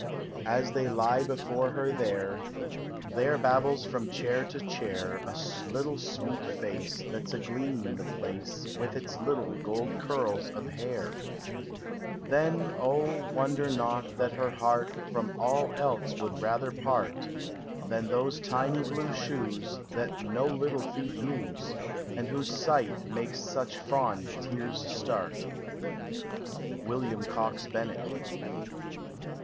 As they lie before her there, There babbles from chair to chair A little sweet face That ?s a gleam in the place, With its little gold curls of hair. Digitized by Google ABOUT CHILDREN. Then O wonder not that her heart From all else would rather part Than those t in v blue shoes That no little feet use, And whose sight makes such fond tears start! WILLIAM COX KENNKTT.